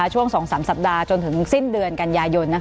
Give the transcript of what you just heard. ช่วง๒๓สัปดาห์จนถึงสิ้นเดือนกันยายน